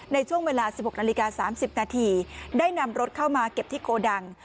ในช่วงเวลา๑๖นาฬิกา๓๐นาทีได้นำรถเข้ามาเก็บที่โกดัง